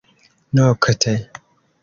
nokte